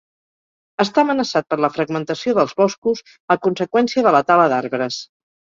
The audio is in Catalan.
Està amenaçat per la fragmentació dels boscos a conseqüència de la tala d'arbres.